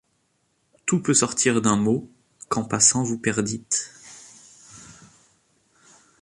Tout peut sortir d’un mot qu’en passant vous perdîtes.